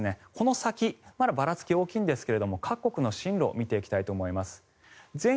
そして、この先ばらつき大きいんですが進路を見ていきたいと思います。